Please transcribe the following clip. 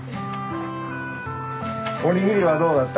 おにぎりはどうだった？